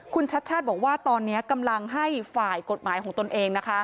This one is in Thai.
คุณชัดชาติบอกว่าตอนนี้กำลังให้ฝ่ายกฎหมายของตนเองนะคะ